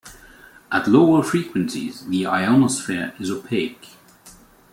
At lower frequencies, the ionosphere is opaque.